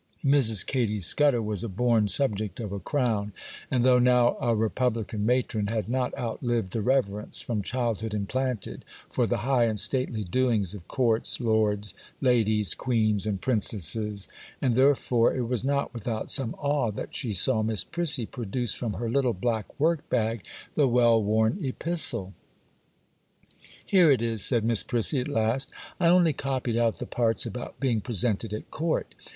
Mrs. Katy Scudder was a born subject of a crown, and, though now a republican matron, had not outlived the reverence, from childhood implanted, for the high and stately doings of courts, lords, ladies, queens, and princesses, and therefore it was not without some awe that she saw Miss Prissy produce from her little black work bag, the well worn epistle. 'Here it is,' said Miss Prissy, at last. 'I only copied out the parts about being presented at Court.